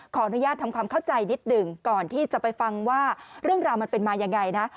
ขออนุญาตทำความเข้าใจนิดหนึ่งก่อนที่จะไปฟังว่าเรื่องราวมันเป็นมายังไงนะ